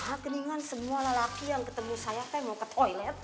nah kedinginan semua lelaki yang ketemu saya kayak mau ke toilet